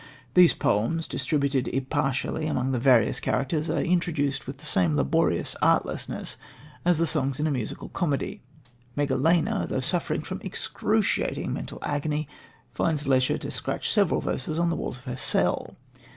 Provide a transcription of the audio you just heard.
These poems, distributed impartially among the various characters, are introduced with the same laborious artlessness as the songs in a musical comedy. Megalena, though suffering from excruciating mental agony, finds leisure to scratch several verses on the walls of her cell.